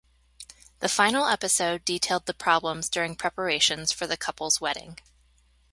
The final episode detailed the problems during preparations for the couple's wedding.